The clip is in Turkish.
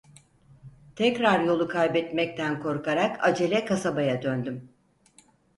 Tekrar yolu kaybetmekten korkarak acele kasabaya döndüm.